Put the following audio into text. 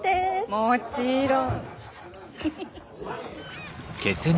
もちろん。